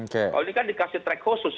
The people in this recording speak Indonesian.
kalau ini kan dikasih track khusus